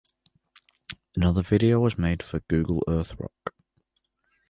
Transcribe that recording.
Another video was made for "Google Earth Rock".